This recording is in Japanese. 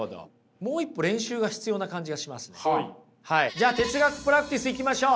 じゃあ哲学プラクティスいきましょう！